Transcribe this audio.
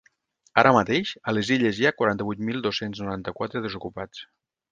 Ara mateix, a les Illes hi ha quaranta-vuit mil dos-cents noranta-quatre desocupats.